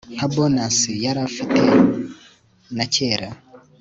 nka bonus yari afite na kera